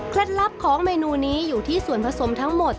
ลับของเมนูนี้อยู่ที่ส่วนผสมทั้งหมด